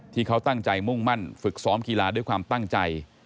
ที่เขาตั้งใจมุ่งมั่นฝึกซ้อมกีฬาด้วยความตั้งใจ